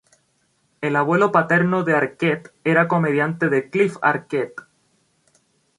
El abuelo paterno de Arquette era comediante de Cliff Arquette.